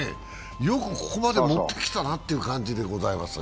よくここまでもってきたなという感じですね。